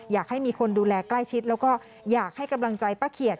อยากให้มีคนดูแลใกล้ชิดแล้วก็อยากให้กำลังใจป้าเขียด